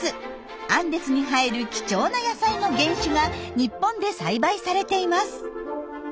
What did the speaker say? アンデスに生える貴重な野菜の原種が日本で栽培されています。